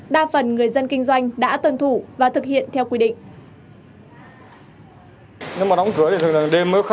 đa phần người dân kinh doanh đã tuân thủ và thực hiện theo quy định